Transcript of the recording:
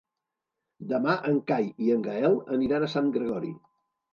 Demà en Cai i en Gaël aniran a Sant Gregori.